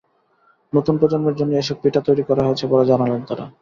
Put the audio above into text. নতুন প্রজন্মের জন্যই এসব পিঠা তৈরি করা হয়েছে বলে জানালেন তাঁরা।